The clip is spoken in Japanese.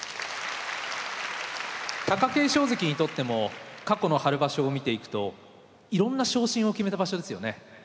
貴景勝関にとっても過去の春場所を見ていくといろんな昇進を決めた場所ですよね。